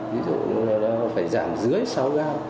ví dụ là phải giảm dưới sáu ga